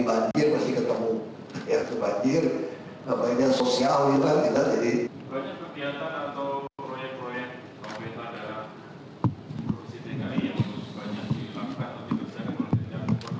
banyak kegiatan atau proyek proyek kalau misalnya ada provinsi tinggi yang banyak dibangkat atau dikeluarkan